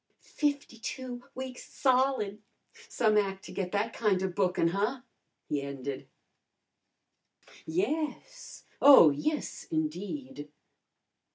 "Fifty two weeks solid! Some ac' to get that kinda bookin, huh?" he ended. "Yes! Oh, yes, indeed!"